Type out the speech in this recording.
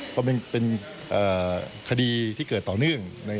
เพราะมันเป็นคดีที่เกิดต่อเนื่อง